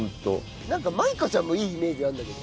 なんか舞香ちゃんもいいイメージあるんだけど。